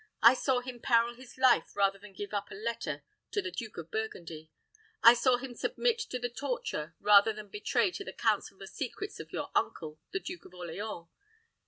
I saw him peril his life rather than give up a letter to the Duke of Burgundy. I saw him submit to the torture rather than betray to the Council the secrets of your uncle, the Duke of Orleans.